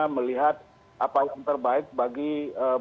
melihat apa yang terbaik bagi bangsa